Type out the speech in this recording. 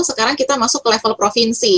sekarang kita masuk ke level provinsi